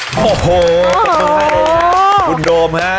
โอ้โหโอ้โหคุณโดมฮะค่ะ